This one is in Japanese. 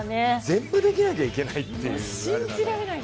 全部できなきゃいけないって、すごい。